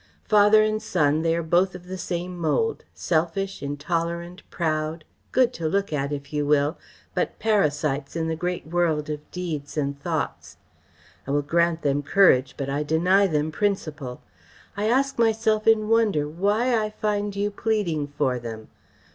Father and son, they are both of the same mould; selfish, intolerant, proud, good to look at, if you will, but parasites in the great world of deeds and thoughts. I will grant them courage but I deny them principle. I ask myself in wonder why I find you pleading for them?